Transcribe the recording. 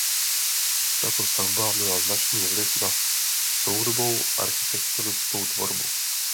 Tato stavba měla značný vliv na soudobou architektonickou tvorbu.